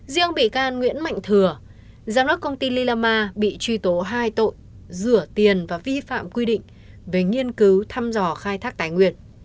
riêng bị can nguyễn mạnh thừa giám đốc công ty lilama bị truy tố hai tội rửa tiền và vi phạm quy định về nghiên cứu thăm dò khai thác tài nguyên